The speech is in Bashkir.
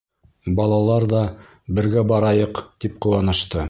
Балалар ҙа, бергә барайыҡ, тип ҡыуанышты.